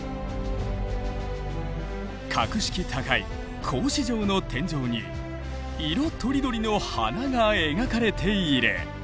格式高い格子状の天井に色とりどりの花が描かれている。